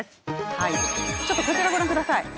はいちょっとこちらご覧ください。